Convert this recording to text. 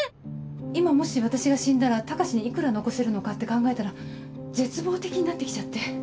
今もし私が死んだら高志に幾ら残せるのかって考えたら絶望的になって来ちゃって。